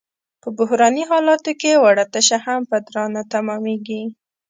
په بحراني حالاتو کې وړه تشه هم په درانه تمامېږي.